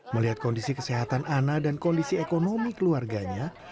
melihat kondisi kesehatan ana dan kondisi ekonomi keluarganya